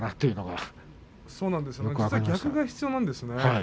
必ず逆が必要なんですね。